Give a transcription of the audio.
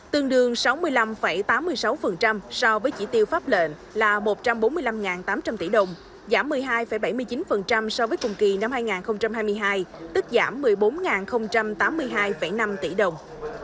tương đương sáu mươi năm tám mươi sáu so với chỉ tiêu pháp lệnh là một trăm bốn mươi năm tám trăm linh tỷ đồng giảm một mươi hai bảy mươi chín so với cùng kỳ năm hai nghìn hai mươi hai tức giảm một mươi bốn tám mươi hai năm tỷ đồng